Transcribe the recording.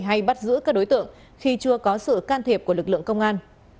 hay bắt giữ các đối tượng khi chưa có sự can thiệp của lực lượng công an